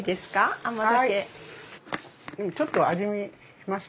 ちょっと味見します？